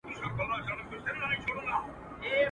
چي كتل يې زما تېره تېره غاښونه.